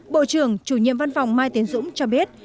bộ trưởng chủ nhiệm văn phòng mai tiến dũng cho biết